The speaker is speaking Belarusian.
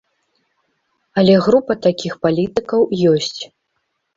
Але група такіх палітыкаў ёсць.